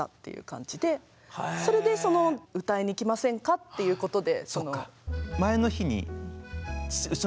それで「歌いに来ませんか」っていうことで。